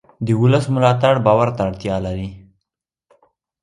د ولس ملاتړ باور ته اړتیا لري